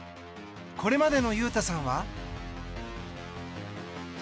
これまでの雄太さんは。